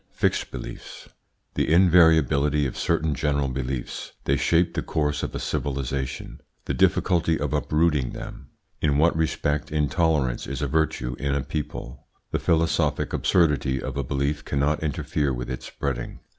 FIXED BELIEFS. The invariability of certain general beliefs They shape the course of a civilisation The difficulty of uprooting them In what respect intolerance is a virtue in a people The philosophic absurdity of a belief cannot interfere with its spreading.